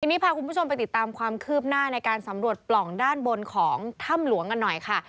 ทีนี้พาคุณผู้ชมไปติดตามความคืบหน้าในการสำรวจปล่องด้านบนของถ้ำหลวงกันหน่อยค่ะ